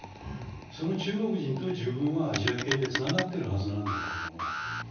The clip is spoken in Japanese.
その中国人と自分はアジア系でつながっているはずなんだけれども。